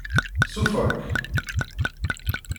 Ssuffɣen-k?